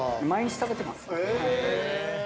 毎日食べてます。